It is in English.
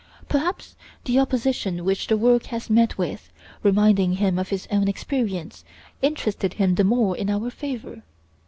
Perhaps the opposition which the work has met with, reminding him of his own experience, interested him the more in our favor.